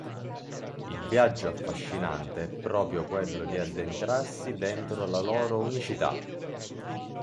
Il viaggio affascinante è proprio quello di addentrarsi dentro la loro unicità".